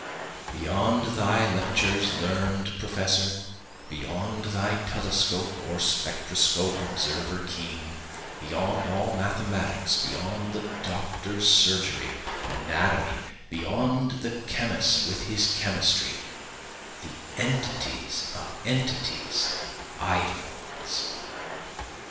Beyond thy lectures learn'd professor, Beyond thy telescope or spectroscope observer keen, beyond all mathematics, Beyond the doctor's surgery, anatomy, beyond the chemist with his chemistry, The entities of entities, eidolons.